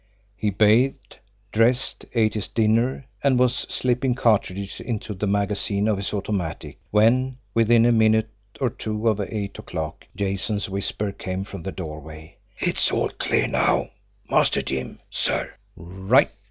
He bathed, dressed, ate his dinner, and was slipping cartridges into the magazine of his automatic when, within a minute or two of eight o'clock, Jason's whisper came from the doorway. "It's all clear now, Master Jim, sir." "Right!"